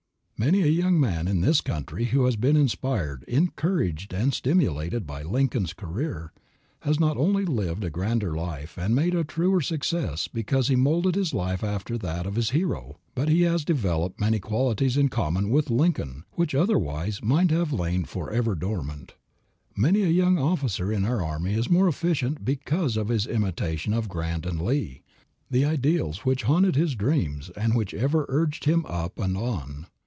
Many a young man in this country who has been inspired, encouraged and stimulated by Lincoln's career, has not only lived a grander life and made a truer success because he modeled his life after that of his hero, but he has developed many qualities in common with Lincoln which otherwise might have lain forever dormant. Many a young officer in our army is more efficient because of his imitation of Grant and Lee, the ideals which haunted his dreams and which have ever urged him up and on.